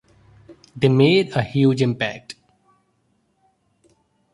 They made a huge impact.